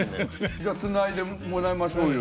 じゃあつないでもらいましょうよ。